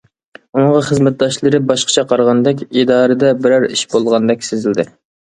ئۇنىڭغا خىزمەتداشلىرى باشقىچە قارىغاندەك، ئىدارىدە بىرەر ئىش بولغاندەك سېزىلدى.